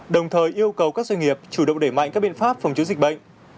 đồng thời yêu cầu các doanh nghiệp chủ động để mạnh các biện pháp phòng chống dịch bệnh